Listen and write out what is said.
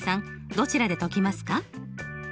どちらで解きますか？